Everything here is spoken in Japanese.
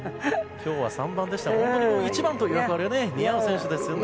今日は３番でしたが１番という役割が似合う選手ですね。